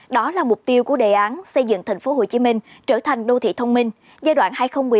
đó là mục tiêu của đề án xây dựng tp hcm trở thành đô thị thông minh giai đoạn hai nghìn một mươi bảy hai nghìn hai mươi